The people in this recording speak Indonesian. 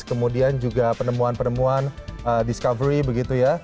kemudian juga penemuan penemuan discovery